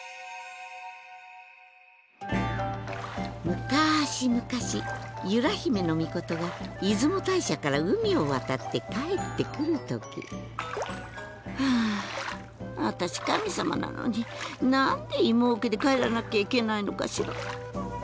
命が出雲大社から海を渡って帰ってくるときはあ私神様なのに何で芋桶で帰らなきゃいけないのかしら。